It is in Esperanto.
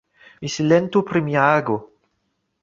Mi silentu pri mia ago.